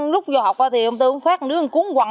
lúc vô học thì ông tư phát một đứa cuốn quặng